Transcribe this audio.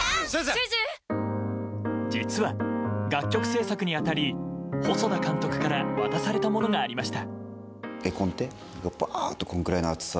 実は、楽曲制作に当たり細田監督から渡されたものがありました。